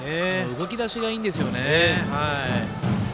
動き出しがいいんですよね。